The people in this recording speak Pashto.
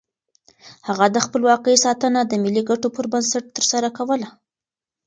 هغه د خپلواکۍ ساتنه د ملي ګټو پر بنسټ ترسره کوله.